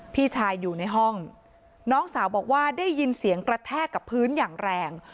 พี่ชายอยู่ในห้องน้องสาวบอกว่าได้ยินเสียงกระแทกกับพื้นอย่างแรง